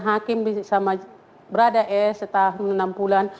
hakim bersama brada e setahun enam bulan